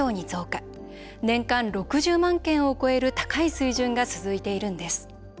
年間６０万件を超える高い水準が続いているんです。